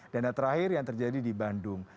dan yang terakhir yang terjadi di bandung